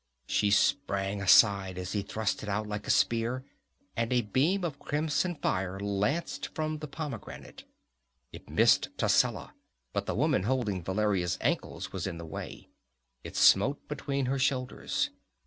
She sprang aside as he thrust it out like a spear, and a beam of crimson fire lanced from the pomegranate. It missed Tascela, but the woman holding Valeria's ankles was in the way. It smote between her shoulders.